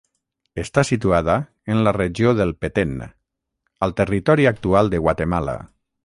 Està situada en la regió del Petén, al territori actual de Guatemala.